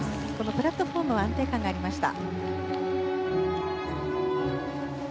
プラットフォームは安定感がありました。